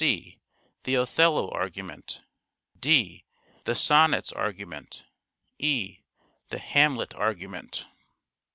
(c) The " Othello " argument. (d) The Sonnets argument. (e) The " Hamlet " argument.